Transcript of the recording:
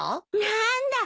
なんだ。